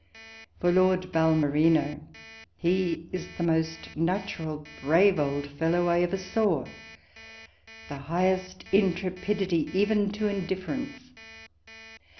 For Lord Balmerino, he is the most natural brave old fellow I ever saw : the highest intrepidity, even •18 walpole's letters. to indifference.